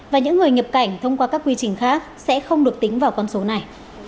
và những người nhập cảnh thông qua các quy trình khác sẽ không được tính vào con số này